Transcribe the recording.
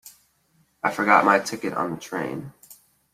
I forgot my ticket on the train.